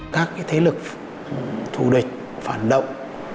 các thế lực thủ địch phản động